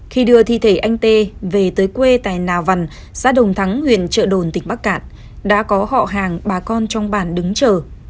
khi đưa thi thể anh tê về tới quê tại nà vằn xã đồng thắng huyện trợ đồn tỉnh bắc cạn đã có họ hàng bà con trong bản đứng chờ